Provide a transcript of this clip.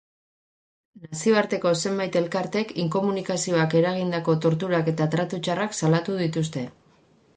Nazioarteko zenbait elkartek inkomunikazioak eragindako torturak eta tratu txarrak salatu dituzte.